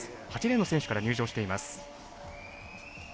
８レーンの選手から入場しています。